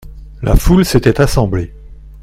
La foule s'était assemblée.